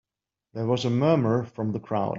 There was a murmur from the crowd.